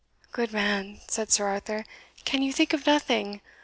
"Good man," said Sir Arthur, "can you think of nothing?